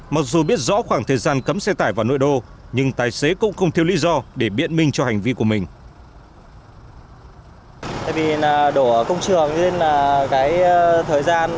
mặc dù biết rõ khoảng thời gian cấm xe tải vào nội đô nhưng tài xế cũng không thiếu lý do để biện minh cho hành vi của mình